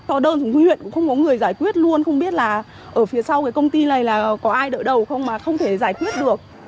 có đơn thì huyện cũng không có người giải quyết luôn không biết là ở phía sau cái công ty này là có ai đỡ đầu không mà không thể giải quyết được